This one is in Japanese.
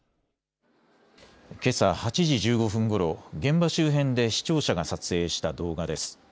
けさ８時１５分ごろ、現場周辺で視聴者が撮影した動画です。